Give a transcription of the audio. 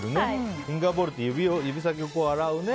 フィンガーボウルって指先を洗うやつね。